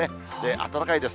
暖かいです。